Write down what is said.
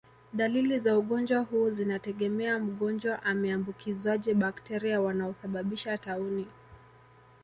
Dalili za ugonjwa huu zinategemea mgonjwa ameambukizwaje bakteria wanaosababisha tauni